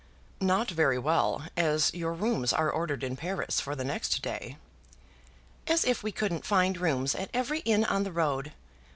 "Not very well, as your rooms are ordered in Paris for the next day." "As if we couldn't find rooms at every inn on the road.